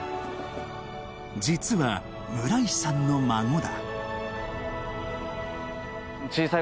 実は村石さんの孫だ